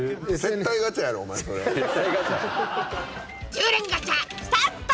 ［１０連ガチャスタート］